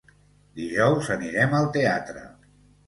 Dijous anirem al teatre.